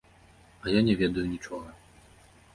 А я не ведаю нічога.